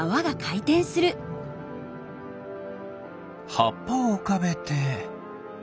はっぱをうかべて。